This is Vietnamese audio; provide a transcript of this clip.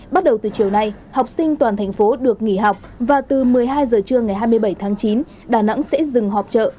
bắt đầu từ chiều nay học sinh toàn thành phố được nghỉ học và từ một mươi hai giờ trưa ngày hai mươi bảy tháng chín đà nẵng sẽ dừng họp trợ